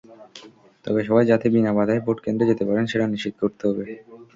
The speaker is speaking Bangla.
তবে সবাই যাতে বিনা বাধায় ভোটকেন্দ্রে যেতে পারেন, সেটা নিশ্চিত করতে হবে।